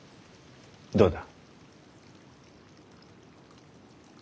．どうだ？